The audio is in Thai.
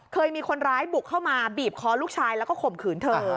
เคยมีคนร้ายบุกเข้ามาบีบคอลูกชายแล้วก็ข่มขืนเธอ